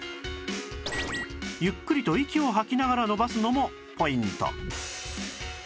ゆっくりと息を吐きながら伸ばすのもポイント